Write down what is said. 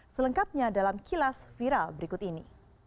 selengkapnya dalam kilas viral berikut ini